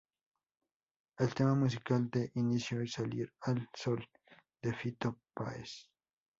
El tema musical de inicio es: "Salir al sol" de Fito Páez.